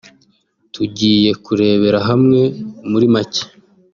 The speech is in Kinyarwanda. tugiye kurebera hamwe muri macye